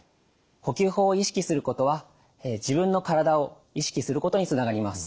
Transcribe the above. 呼吸法を意識することは自分のからだを意識することにつながります。